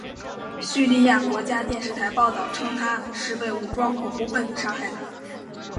叙利亚国家电视台报道称他是被武装恐怖分子杀害的。